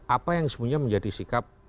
apa yang sebenarnya menjadi sikap